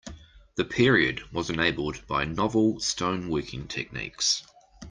The period was enabled by novel stone working techniques.